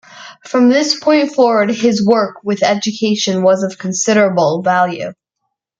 From this point forward his work with education was of considerable value.